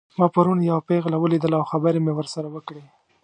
ما پرون یوه پیغله ولیدله او خبرې مې ورسره وکړې